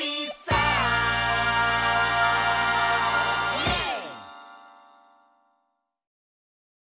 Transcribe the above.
イエーイ！